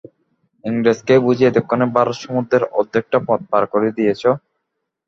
ইংরেজকে বুঝি এতক্ষণে ভারত-সমুদ্রের অর্ধেকটা পথ পার করে দিয়েছ?